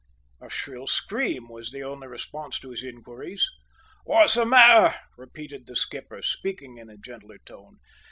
A shrill scream was the only response to his inquiries. "What's the matter?" repeated the skipper, speaking in a gentler tone.